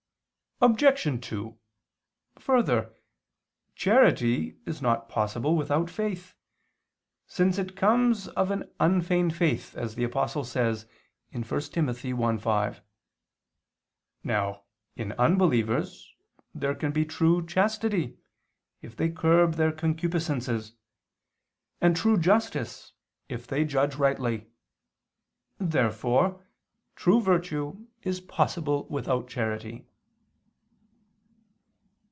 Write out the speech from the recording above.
Obj. 2: Further, charity is not possible without faith, since it comes of "an unfeigned faith," as the Apostle says (1 Tim. 1:5). Now, in unbelievers, there can be true chastity, if they curb their concupiscences, and true justice, if they judge rightly. Therefore true virtue is possible without charity.